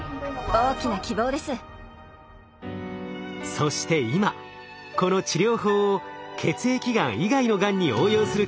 そして今この治療法を血液がん以外のがんに応用する研究が世界中で始まっています。